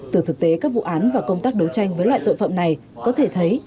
từ thực tế các vụ án và công tác đấu tranh với loại tội phạm này có thể thấy